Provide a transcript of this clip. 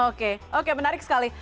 oke oke menarik sekali